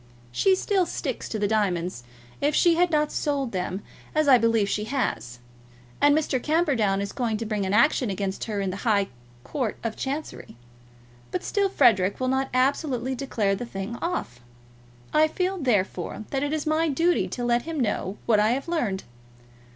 She still sticks to the diamonds, if she has not sold them, as I believe she has; and Mr. Camperdown is going to bring an action against her in the High Court of Chancery. But still Frederic will not absolutely declare the thing off. I feel, therefore, that it is my duty to let him know what I have learned.